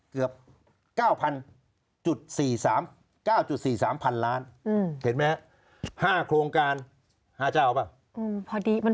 เกือบ๙๐๔๓พันล้านเห็นไหมครับ๕โครงการ๕เจ้าหรือเปล่า